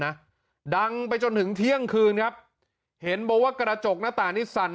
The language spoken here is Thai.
นะดังไปจนถึงเที่ยงคืนครับเห็นบอกว่ากระจกหน้าต่างนี่สั่น